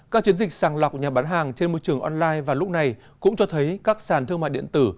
các chiến dịch sàng lọc của nhà bán hàng trên môi trường online và lúc này cũng cho thấy các sàn thương mại điện tử